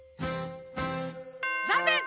ざんねん！